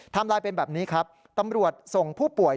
ไลน์เป็นแบบนี้ครับตำรวจส่งผู้ป่วย